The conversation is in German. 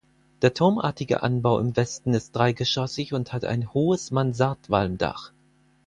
Der turmartige Anbau im Westen ist dreigeschossig und hat ein hohes Mansardwalmdach.